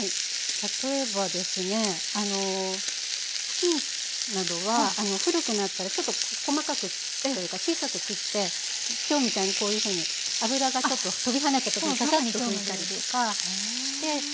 例えばですね布巾などは古くなったらちょっと細かくというか小さく切って今日みたいにこういうふうに油がちょっと飛び跳ねた時にささっと拭いたりとかして。